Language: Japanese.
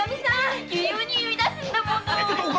急に言い出すんだもの。